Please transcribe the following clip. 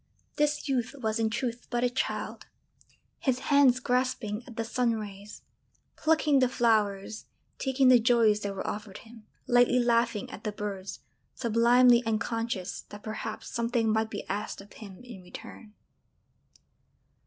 _] This youth was in truth but a child, his hands grasping at the sun rays, plucking the flowers, taking the joys that were offered him, lightly laughing at the birds, sublimely unconscious that perhaps something might be asked of him in return.